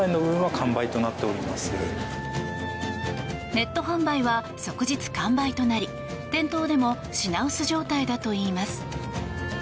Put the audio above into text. ネット販売は即日完売となり店頭でも品薄状態だといいます。